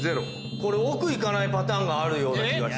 これ億行かないパターンがあるような気がして来た。